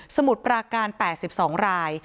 มุดปราการ๘๒ราย